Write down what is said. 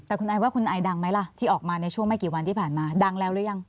แต่คุณไอว่าคุณไอดังไหมล่ะที่ออกมาในช่วงไม่กี่วันที่ผ่านมาดังแล้วหรือยัง